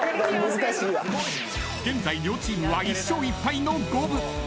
［現在両チームは１勝１敗の五分］